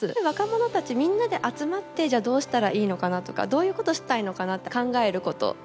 若者たちみんなで集まってじゃあどうしたらいいのかなとかどういうことしたいのかなって考えること。